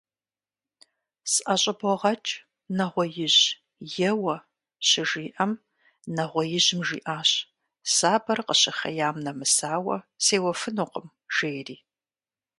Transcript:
– СӀэщӀыбогъэкӀ, нэгъуеижь, еуэ, – щыжиӀэм нэгъуеижьым жиӀащ: «Сабэр къыщыхъеям нэмысауэ сеуэфынукъым», – жери.